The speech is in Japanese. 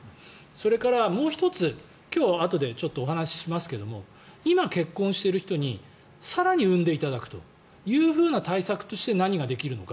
それからもう１つ今日あとでお話しますが今、結婚している人に更に産んでいただくというふうな対策として何ができるのか。